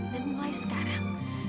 dan mulai sekarang